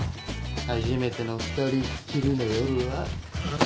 初めての２人っきりの夜は。